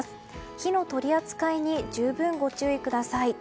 火の取り扱いに十分ご注意ください。